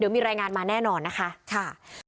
เดี๋ยวมีรายงานมาแน่นอนนะคะ